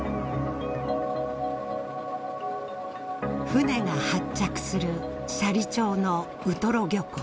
船が発着する斜里町のウトロ漁港。